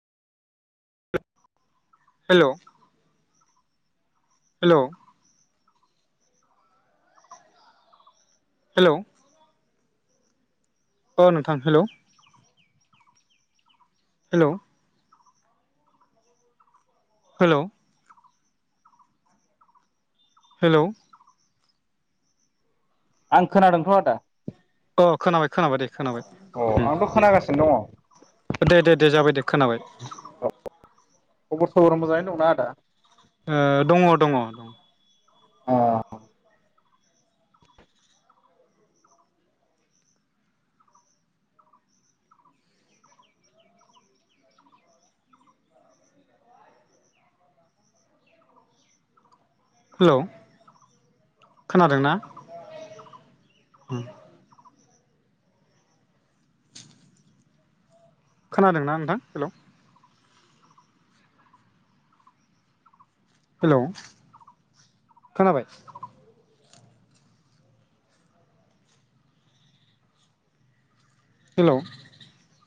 हेल' hello hello अ नोंथां hello hello hello hello आं खोनादोंथ' आदा। अ खोनाबाय खोनाबाय दे खोनाबाय। अ आंथ' खोनागासिनो दङ। दे दे दे जाबाय दे खोनाबाय। औ खबर सबर मोजाङैनो दंना आदा? ओ दङ दङ। अ हेल' खोनादोंना खोनादोंना नोंथां? हेल' हेल' खोनाबाय? हेल'